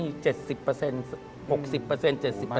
พี่หนุ่มพูดไปแล้ว